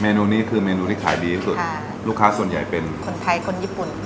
นูนี้คือเมนูที่ขายดีที่สุดลูกค้าส่วนใหญ่เป็นคนไทยคนญี่ปุ่น